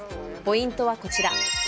ポイントはこちら。